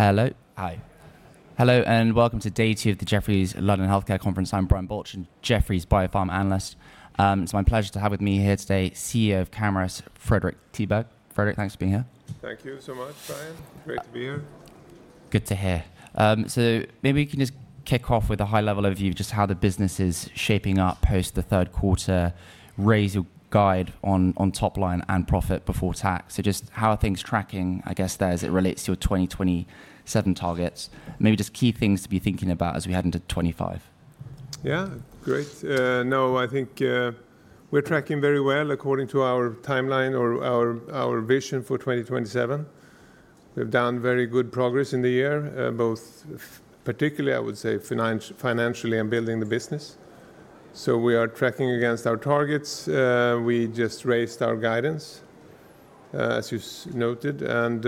Hello. Hi. Hello, and welcome to day two of the Jefferies London Healthcare Conference. I'm Brian Balch, Jefferies Biopharma analyst. It's my pleasure to have with me here today, CEO of Camurus, Fredrik Tiberg. Fredrik, thanks for being here. Thank you so much, Brian. Great to be here. Good to hear. So maybe we can just kick off with a high-level overview of just how the business is shaping up post the third quarter raise to guide on top line and profit before tax. So just how are things tracking, I guess, there as it relates to your 2027 targets? Maybe just key things to be thinking about as we head into 2025. Yeah, great. No, I think we're tracking very well according to our timeline or our vision for 2027. We've done very good progress in the year, both particularly, I would say, financially and building the business. So we are tracking against our targets. We just raised our guidance, as you noted. And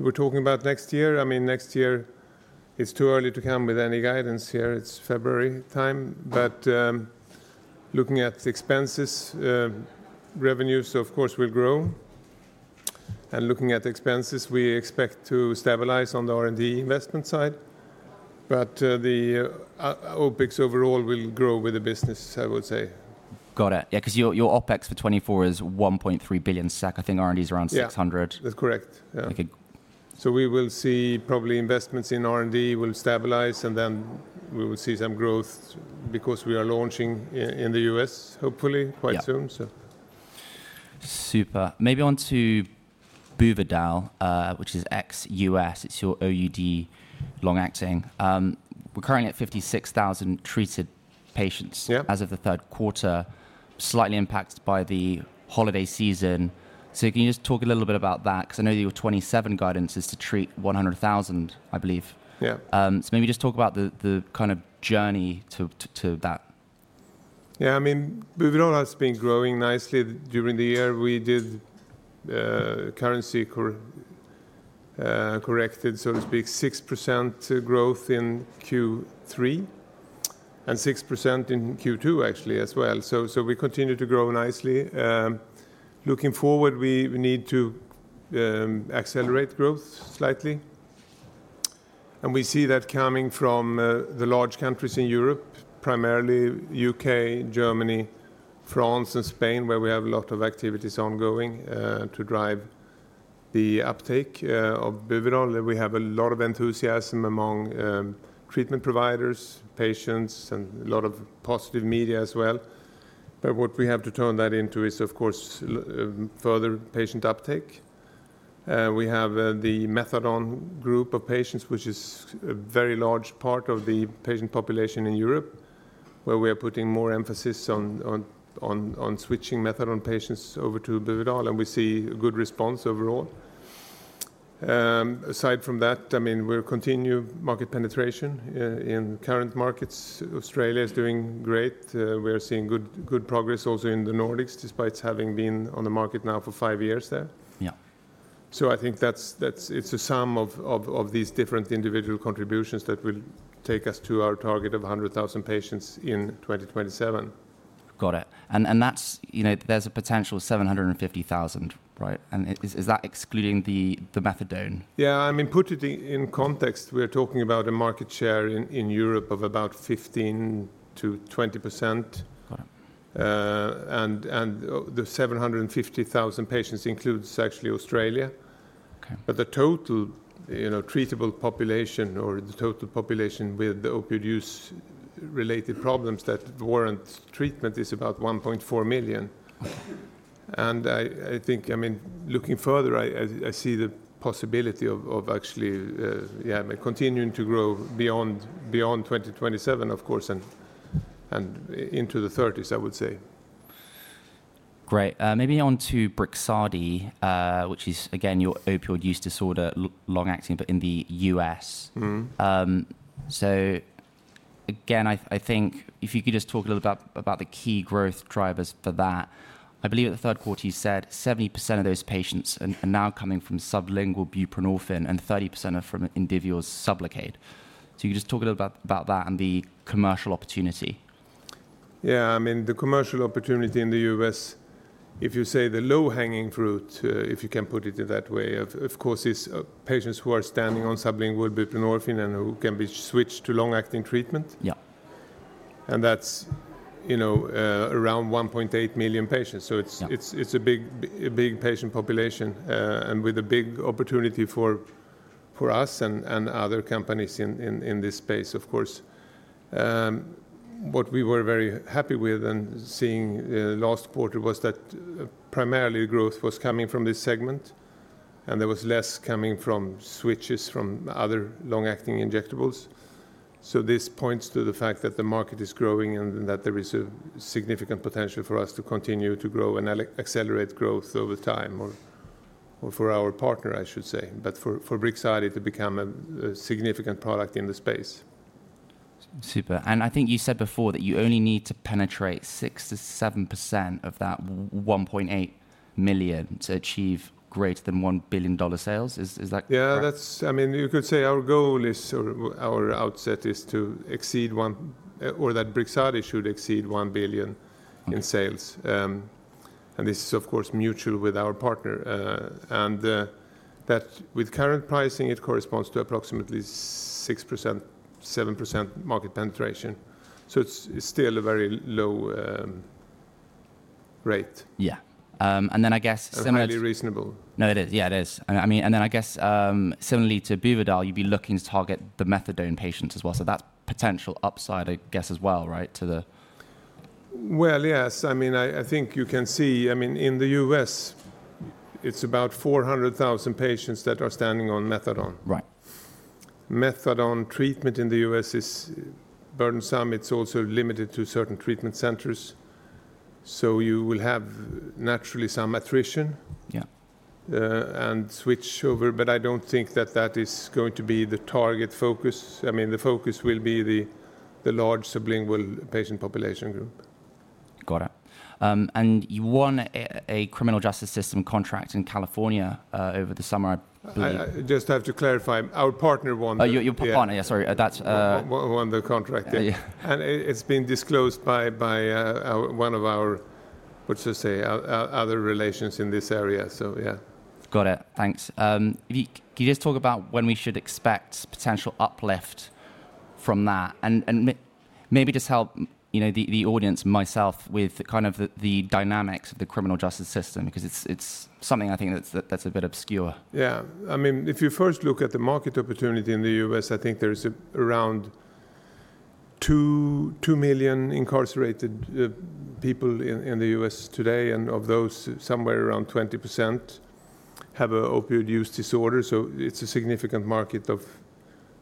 we're talking about next year. I mean, next year, it's too early to come with any guidance here. It's February time. But looking at expenses, revenues, of course, will grow. And looking at expenses, we expect to stabilize on the R&D investment side. But the OPEX overall will grow with the business, I would say. Got it. Yeah, because your OPEX for 2024 is 1.3 billion SEK. I think R&D is around 600. Yeah, that's correct, so we will see probably investments in R&D will stabilize, and then we will see some growth because we are launching in the U.S., hopefully, quite soon. Super. Maybe on to Buvidal, which is ex-US. It's your OUD, long-acting. We're currently at 56,000 treated patients as of the third quarter, slightly impacted by the holiday season. So can you just talk a little bit about that? Because I know your 2027 guidance is to treat 100,000, I believe. So maybe just talk about the kind of journey to that. Yeah, I mean, Buvidal has been growing nicely during the year. We did currency-corrected, so to speak, 6% growth in Q3 and 6% in Q2, actually, as well. So we continue to grow nicely. Looking forward, we need to accelerate growth slightly. And we see that coming from the large countries in Europe, primarily UK, Germany, France, and Spain, where we have a lot of activities ongoing to drive the uptake of Buvidal. We have a lot of enthusiasm among treatment providers, patients, and a lot of positive media as well. But what we have to turn that into is, of course, further patient uptake. We have the methadone group of patients, which is a very large part of the patient population in Europe, where we are putting more emphasis on switching methadone patients over to Buvidal. And we see a good response overall. Aside from that, I mean, we'll continue market penetration in current markets. Australia is doing great. We are seeing good progress also in the Nordics, despite having been on the market now for five years there. So I think it's a sum of these different individual contributions that will take us to our target of 100,000 patients in 2027. Got it. And there's a potential 750,000, right? And is that excluding the methadone? Yeah, I mean, put it in context. We're talking about a market share in Europe of about 15%-20%. The 750,000 patients include actually Australia. The total treatable population, or the total population with the opioid use-related problems that warrant treatment, is about 1.4 million. I think, I mean, looking further, I see the possibility of actually continuing to grow beyond 2027, of course, and into the '30s, I would say. Great. Maybe on to Brixadi, which is, again, your opioid use disorder, long-acting, but in the US. So again, I think if you could just talk a little bit about the key growth drivers for that. I believe at the third quarter, you said 70% of those patients are now coming from sublingual buprenorphine and 30% are from Indivior's Sublocade. So you could just talk a little bit about that and the commercial opportunity. Yeah, I mean, the commercial opportunity in the U.S., if you say the low-hanging fruit, if you can put it in that way, of course, is patients who are standing on sublingual buprenorphine and who can be switched to long-acting treatment, and that's around 1.8 million patients. So it's a big patient population and with a big opportunity for us and other companies in this space, of course. What we were very happy with and seeing last quarter was that primarily growth was coming from this segment, and there was less coming from switches from other long-acting injectables, so this points to the fact that the market is growing and that there is a significant potential for us to continue to grow and accelerate growth over time or for our partner, I should say, but for Brixadi to become a significant product in the space. Super. And I think you said before that you only need to penetrate 6%-7% of that 1.8 million to achieve greater than $1 billion sales. Is that correct? Yeah, I mean, you could say our goal is or our outset is to exceed one or that Brixadi should exceed $1 billion in sales, and this is, of course, mutual with our partner, and that with current pricing, it corresponds to approximately 6%-7% market penetration. So it's still a very low rate. Yeah. And then I guess similar. It's highly reasonable. No, it is. Yeah, it is. I mean, and then I guess similarly to Buvidal, you'd be looking to target the methadone patients as well. So that's potential upside, I guess, as well, right? Yes. I mean, I think you can see, I mean, in the U.S., it's about 400,000 patients that are standing on ethadone. Right. methadone treatment in the U.S. is burdensome. It's also limited to certain treatment centers. So you will have naturally some attrition and switch over. But I don't think that that is going to be the target focus. I mean, the focus will be the large sublingual patient population group. Got it, and you won a criminal justice system contract in California over the summer. I just have to clarify. Our partner won. Your partner, yeah, sorry. Won the contract, yeah. And it's been disclosed by one of our, what's to say, other relations in this area. So yeah. Got it. Thanks. Can you just talk about when we should expect potential uplift from that? And maybe just help the audience and myself with kind of the dynamics of the criminal justice system because it's something I think that's a bit obscure. Yeah. I mean, if you first look at the market opportunity in the U.S., I think there's around 2 million incarcerated people in the U.S. today, and of those, somewhere around 20% have an opioid use disorder, so it's a significant market of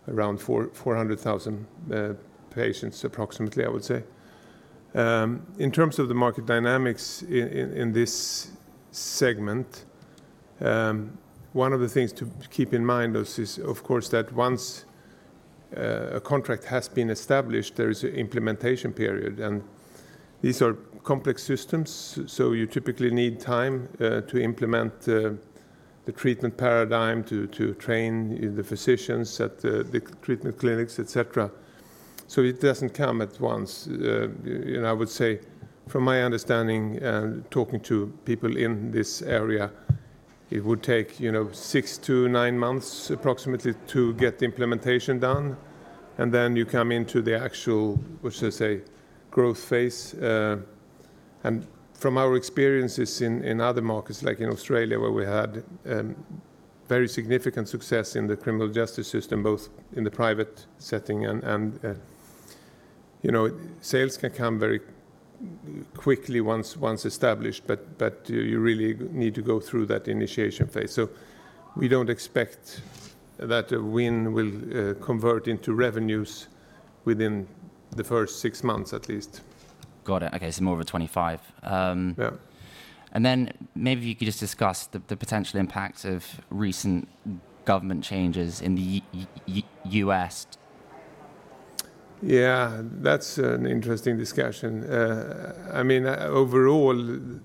around 400,000 patients approximately, I would say. In terms of the market dynamics in this segment, one of the things to keep in mind is, of course, that once a contract has been established, there is an implementation period, and these are complex systems, so you typically need time to implement the treatment paradigm, to train the physicians at the treatment clinics, etc., so it doesn't come at once, and I would say, from my understanding and talking to people in this area, it would take six to nine months approximately to get implementation done, and then you come into the actual, what's to say, growth phase. From our experiences in other markets, like in Australia, where we had very significant success in the criminal justice system, both in the private setting and sales can come very quickly once established, but you really need to go through that initiation phase. We don't expect that a win will convert into revenues within the first six months at least. Got it. Okay, so more of a 25. Yeah. And then maybe if you could just discuss the potential impact of recent government changes in the U.S. Yeah, that's an interesting discussion. I mean, overall,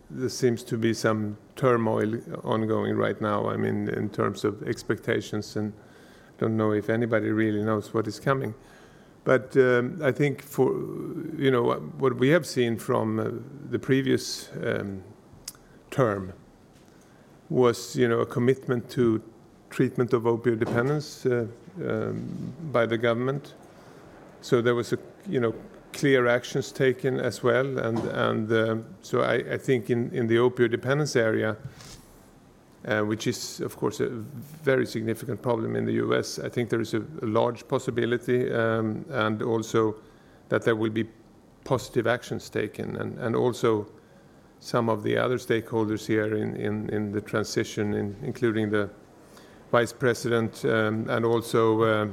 there seems to be some turmoil ongoing right now, I mean, in terms of expectations. And I don't know if anybody really knows what is coming. But I think what we have seen from the previous term was a commitment to treatment of opioid dependence by the government. So there were clear actions taken as well. And so I think in the opioid dependence area, which is, of course, a very significant problem in the U.S., I think there is a large possibility and also that there will be positive actions taken. Also some of the other stakeholders here in the transition, including the vice president and also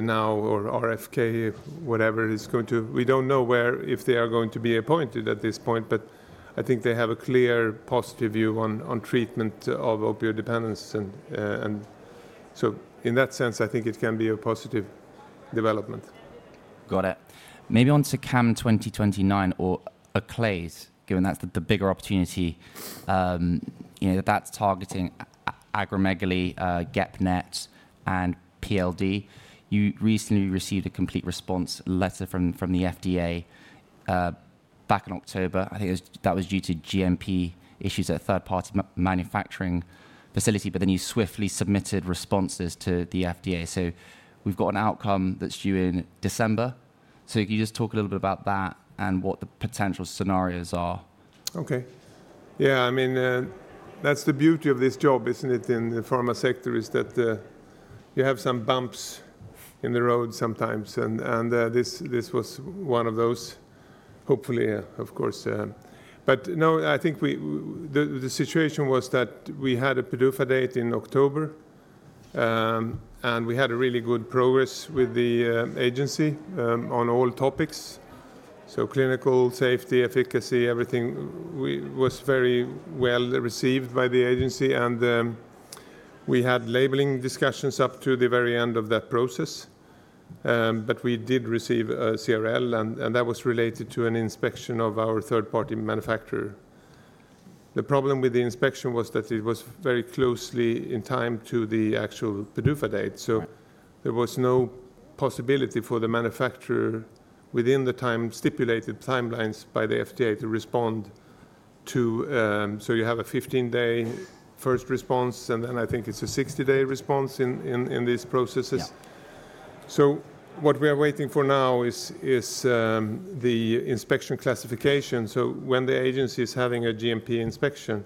now or RFK, whatever it is going to, we don't know whether they are going to be appointed at this point, but I think they have a clear positive view on treatment of opioid dependence. So in that sense, I think it can be a positive development. Got it. Maybe on to CAM2029 or octreotide, given that's the bigger opportunity that that's targeting acromegaly, GEP-NET, and PLD. You recently received a Complete Response Letter from the FDA back in October. I think that was due to GMP issues at a third-party manufacturing facility. But then you swiftly submitted responses to the FDA. So we've got an outcome that's due in December. So can you just talk a little bit about that and what the potential scenarios are? Okay. Yeah, I mean, that's the beauty of this job, isn't it, in the pharma sector, is that you have some bumps in the road sometimes, and this was one of those, hopefully, of course, but no, I think the situation was that we had a PDUFA date in October, and we had really good progress with the agency on all topics, so clinical safety, efficacy, everything was very well received by the agency, and we had labeling discussions up to the very end of that process, but we did receive a CRL, and that was related to an inspection of our third-party manufacturer. The problem with the inspection was that it was very closely in time to the actual PDUFA date, so there was no possibility for the manufacturer within the time stipulated timelines by the FDA to respond to. You have a 15-day first response, and then I think it's a 60-day response in these processes. What we are waiting for now is the inspection classification. When the agency is having a GMP inspection,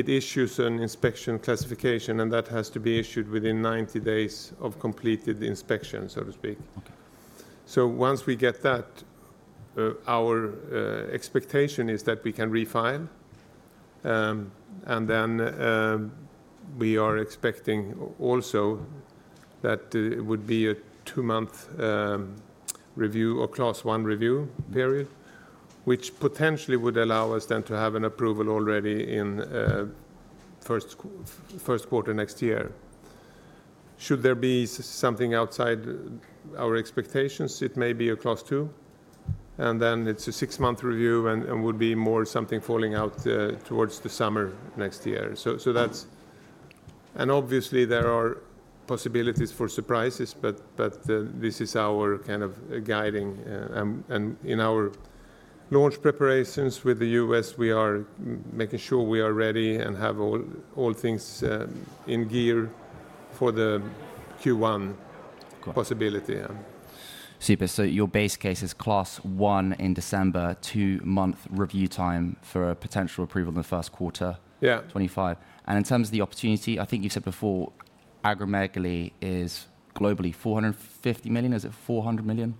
it issues an inspection classification, and that has to be issued within 90 days of completed inspection, so to speak. Once we get that, our expectation is that we can refile. Then we are expecting also that it would be a two-month review or Class 1 review period, which potentially would allow us then to have an approval already in first quarter next year. Should there be something outside our expectations, it may be a Class 2. Then it's a six-month review and would be more something falling out towards the summer next year. Obviously, there are possibilities for surprises, but this is our kind of guiding. In our launch preparations with the U.S., we are making sure we are ready and have all things in gear for the Q1 possibility. Super. So your base case is Class 1 review in December, two-month review time for a potential approval in the first quarter 2025. And in terms of the opportunity, I think you said before acromegaly is globally 450 million. Is it 400 million?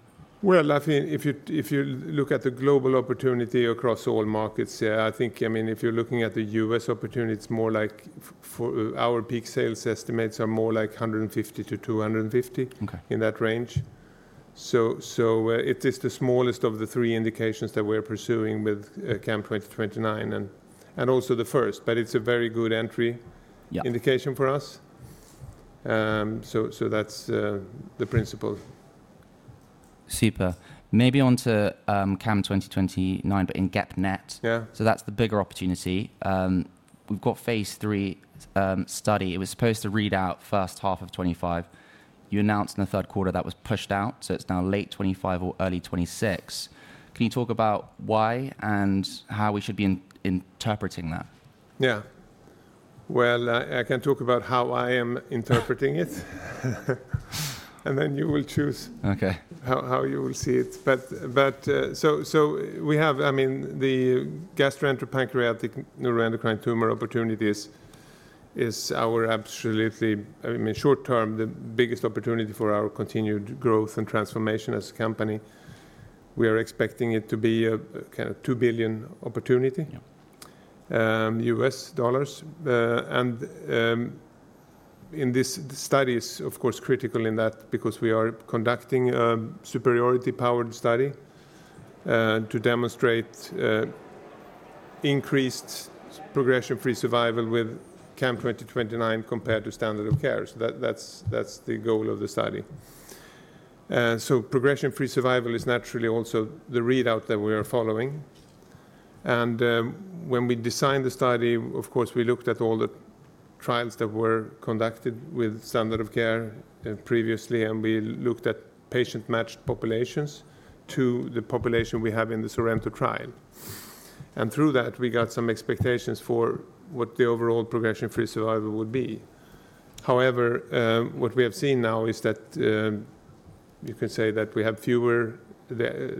I think if you look at the global opportunity across all markets, I think, I mean, if you're looking at the US opportunity, it's more like our peak sales estimates are more like 150-250 in that range. It is the smallest of the three indications that we're pursuing with CAM2029 and also the first, but it's a very good entry indication for us. That's the principle. Super. Maybe on to CAM2029, but in GEP-NET. So that's the bigger opportunity. We've got phase 3 study. It was supposed to read out first half of 2025. You announced in the third quarter that was pushed out. So it's now late 2025 or early 2026. Can you talk about why and how we should be interpreting that? Yeah. Well, I can talk about how I am interpreting it. And then you will choose how you will see it. But so we have, I mean, the gastroenteropancreatic neuroendocrine tumor opportunities is our absolutely, I mean, short term, the biggest opportunity for our continued growth and transformation as a company. We are expecting it to be a kind of $2 billion opportunity in US dollars. And in this study is, of course, critical in that because we are conducting a superiority-powered study to demonstrate increased progression-free survival with CAM2029 compared to standard of care. So that's the goal of the study. So progression-free survival is naturally also the readout that we are following. And when we designed the study, of course, we looked at all the trials that were conducted with standard of care previously. We looked at patient-matched populations to the population we have in the SORENTO trial. Through that, we got some expectations for what the overall progression-free survival would be. However, what we have seen now is that you can say that we have fewer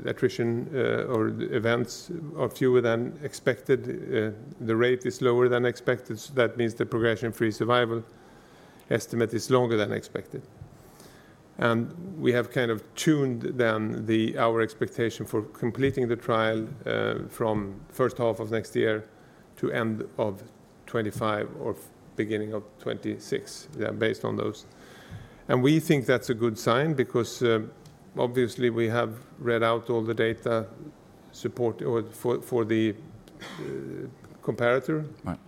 attrition or events or fewer than expected. The rate is lower than expected. That means the progression-free survival estimate is longer than expected. We have kind of tuned then our expectation for completing the trial from first half of next year to end of 2025 or beginning of 2026 based on those. We think that's a good sign because obviously we have read out all the data support for the comparator.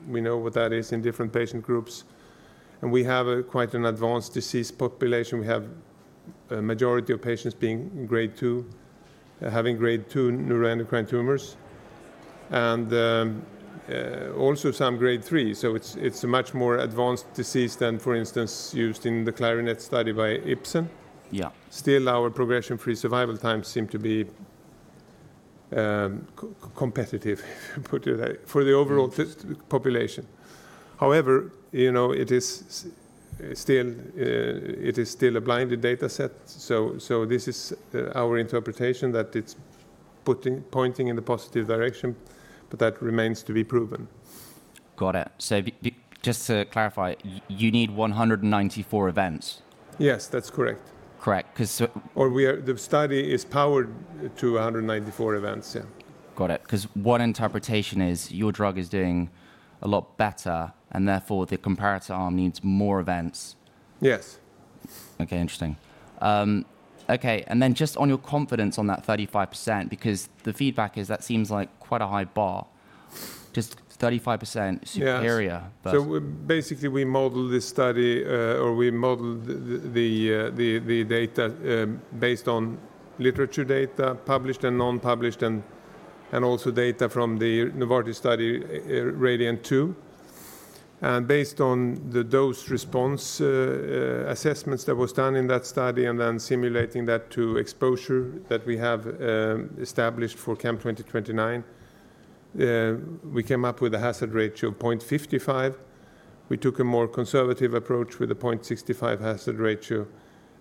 We know what that is in different patient groups. We have quite an advanced disease population. We have a majority of patients being grade two, having grade two neuroendocrine tumors, and also some grade three. So it's a much more advanced disease than, for instance, used in the CLARINET study by Ipsen. Still, our progression-free survival times seem to be competitive, if you put it that way, for the overall population. However, it is still a blinded data set. So this is our interpretation that it's pointing in the positive direction, but that remains to be proven. Got it. So just to clarify, you need 194 events. Yes, that's correct. Correct. Because. Or the study is powered to 194 events, yeah. Got it. Because one interpretation is your drug is doing a lot better and therefore the comparator arm needs more events. Yes. Okay, interesting. Okay. And then just on your confidence on that 35%, because the feedback is that seems like quite a high bar, just 35% superior. Yes. So basically, we modeled this study or we modeled the data based on literature data, published and non-published, and also data from the Novartis study RADIANT-2, and based on the dose response assessments that were done in that study and then simulating that to exposure that we have established for CAM2029, we came up with a hazard ratio of 0.55. We took a more conservative approach with a 0.65 hazard ratio,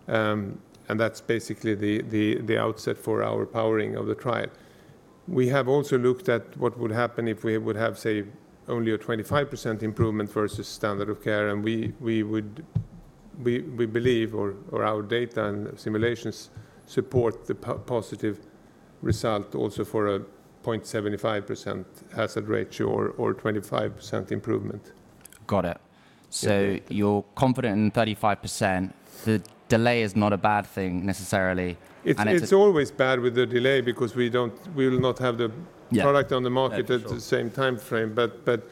and that's basically the outset for our powering of the trial. We have also looked at what would happen if we would have, say, only a 25% improvement versus standard of care, and we believe or our data and simulations support the positive result also for a 0.75 hazard ratio or 25% improvement. Got it. So you're confident in 35%. The delay is not a bad thing necessarily. It's always bad with the delay because we will not have the product on the market at the same timeframe. But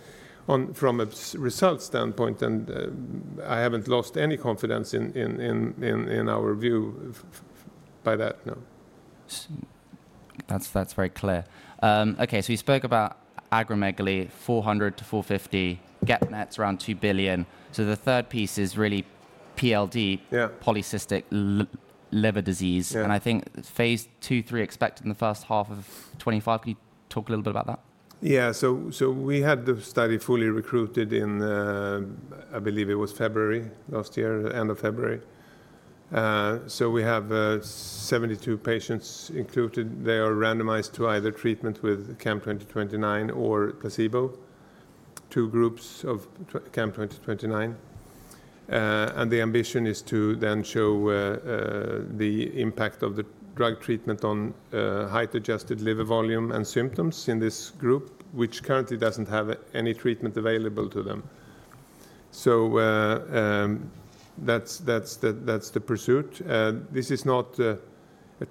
from a result standpoint, and I haven't lost any confidence in our view by that, no. That's very clear. Okay. So we spoke about acromegaly, 400-450, GEP-NETs around $2 billion. So the third piece is really PLD, polycystic liver disease. And I think phase two, three expected in the first half of 2025. Can you talk a little bit about that? Yeah. So we had the study fully recruited in, I believe, February last year, end of February. So we have 72 patients included. They are randomized to either treatment with CAM2029 or placebo, two groups of CAM2029. And the ambition is to then show the impact of the drug treatment on height-adjusted liver volume and symptoms in this group, which currently doesn't have any treatment available to them. So that's the pursuit. This is not a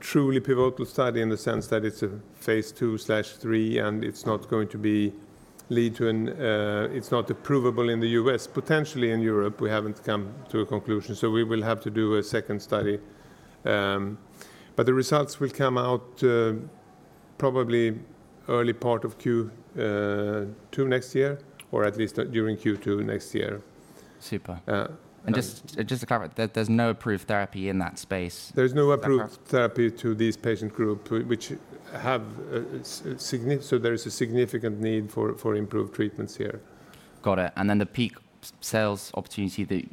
truly pivotal study in the sense that it's a phase two slash three, and it's not going to lead to an, it's not provable in the U.S Potentially in Europe, we haven't come to a conclusion. So we will have to do a second study. But the results will come out probably early part of Q2 next year or at least during Q2 next year. Super. And just to clarify, there's no approved therapy in that space. There is no approved therapy to these patient groups, so there is a significant need for improved treatments here. Got it. And then the peak sales opportunity that you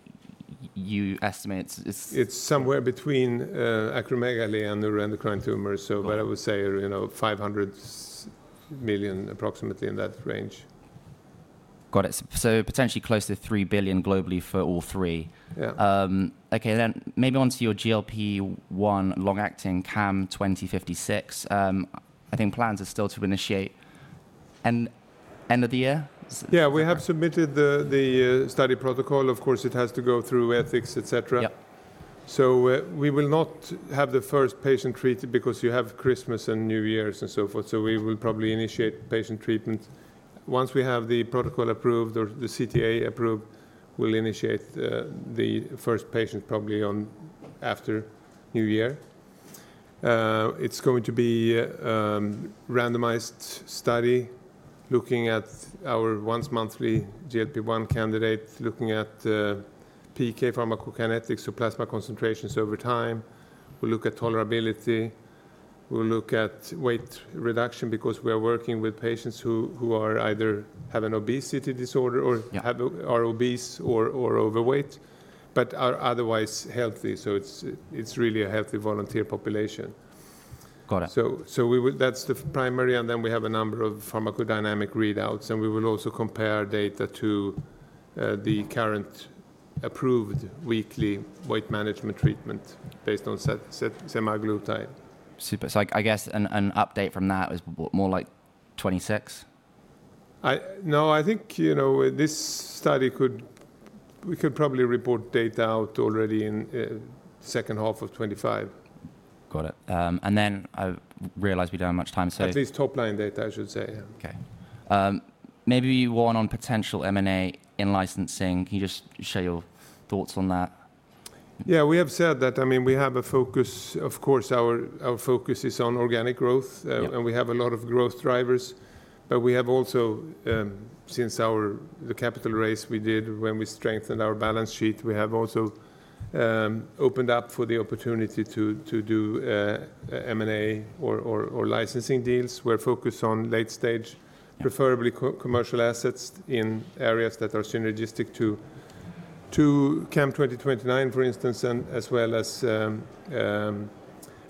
estimate is? It's somewhere between acromegaly and neuroendocrine tumors. So what I would say are 500 million approximately in that range. Got it. So potentially close to $3 billion globally for all three. Okay. Then maybe onto your GLP-1 long-acting CAM2056. I think plans are still to initiate end of the year. Yeah. We have submitted the study protocol. Of course, it has to go through ethics, etc. So we will not have the first patient treated because you have Christmas and New Year's and so forth. So we will probably initiate patient treatment. Once we have the protocol approved or the CTA approved, we'll initiate the first patient probably after New Year. It's going to be a randomized study looking at our once-monthly GLP-1 candidate, looking at PK pharmacokinetics, so plasma concentrations over time. We'll look at tolerability. We'll look at weight reduction because we are working with patients who either have an obesity disorder or are obese or overweight, but are otherwise healthy. So it's really a healthy volunteer population. Got it. So that's the primary. And then we have a number of pharmacodynamic readouts. And we will also compare data to the current approved weekly weight management treatment based on semaglutide. Super. So I guess an update from that is more like 2026? No. I think this study could, we could probably report data out already in the second half of 2025. Got it. And then I realize we don't have much time. At least top-line data, I should say. Okay. Maybe one on potential M&A in licensing. Can you just share your thoughts on that? Yeah. We have said that. I mean, we have a focus. Of course, our focus is on organic growth, and we have a lot of growth drivers, but we have also, since the capital raise we did when we strengthened our balance sheet, we have also opened up for the opportunity to do M&A or licensing deals. We're focused on late-stage, preferably commercial assets in areas that are synergistic to CAM2029, for instance, and as well as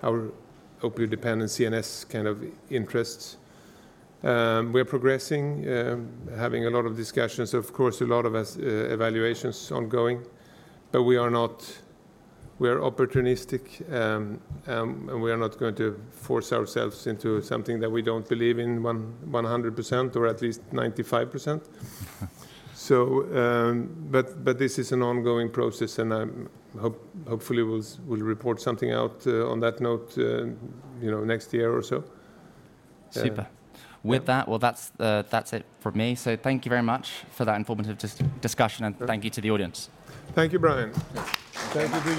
our opioid dependency and SUD kind of interests. We're progressing, having a lot of discussions, of course, a lot of evaluations ongoing. But we are not, we are opportunistic, and we are not going to force ourselves into something that we don't believe in 100% or at least 95%. But this is an ongoing process, and hopefully we'll report something out on that note next year or so. Super. With that, well, that's it from me. So thank you very much for that informative discussion, and thank you to the audience. Thank you, Brian. Thank you for.